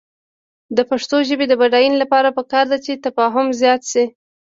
د پښتو ژبې د بډاینې لپاره پکار ده چې تفاهم زیات شي.